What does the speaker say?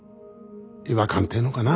違和感ってえのかな？